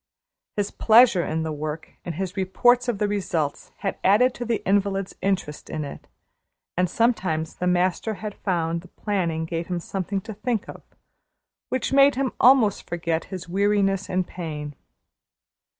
His pleasure in the work and his reports of the results had added to the invalid's interest in it, and sometimes the master had found the planning gave him something to think of, which made him almost forget his weariness and pain.